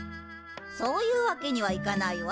そういうわけにはいかないわ。